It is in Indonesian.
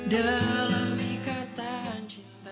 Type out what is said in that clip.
dalam ikatan cinta